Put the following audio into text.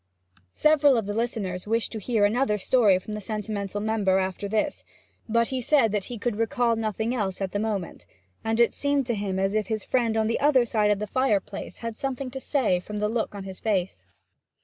Several of the listeners wished to hear another story from the sentimental member after this, but he said that he could recall nothing else at the moment, and that it seemed to him as if his friend on the other side of the fireplace had something to say from the look of his face.